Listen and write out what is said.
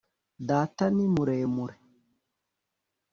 data ni muremure